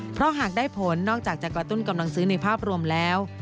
เพราะหากได้ผลนอกจากจะกระตุ้นกำลังซื้อในภาพรวมแล้ว